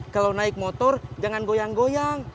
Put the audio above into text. kalau naik motor jangan goyang goyang